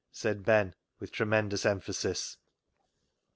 " said Ben, with tremendous emphasis.